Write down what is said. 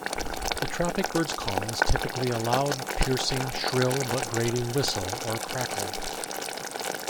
The tropicbirds' call is typically a loud, piercing, shrill, but grating whistle, or crackle.